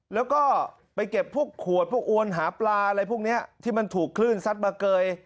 แล้วก็ไปเก็บพวกขวดพวกอวนหาปลาอะไรพวกนี้ที่มันถูกคลื่นซัดมาเกย